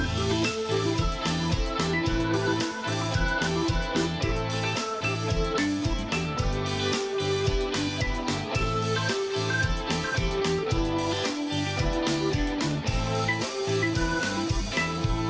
สวัสดีค่ะ